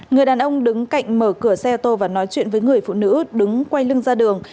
người đàn ông đứng cạnh mở cửa xe ô tô và nói chuyện với người phụ nữ đứng quay lưng ra đường